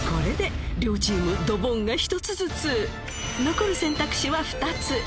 残る選択肢は２つ。